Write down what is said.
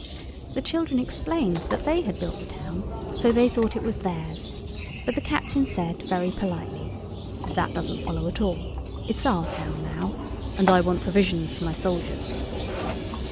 The children explained that they had built the town, so they thought it was theirs; but the captain said very politely— "That doesn't follow at all. It's our town now. And I want provisions for my soldiers."